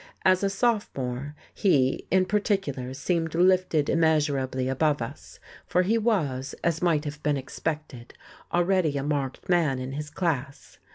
As a sophomore, he in particular seemed lifted immeasurably above us, for he was as might have been expected already a marked man in his class.